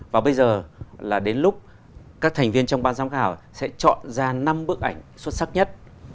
và bây giờ là đến lúc các thành viên trong ban giám khảo sẽ chọn ra năm bức ảnh xuất sắc nhất